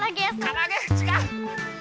からあげ？ちがう。